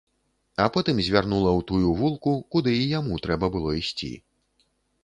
А потым звярнула ў тую вулку, куды і яму трэба было ісці.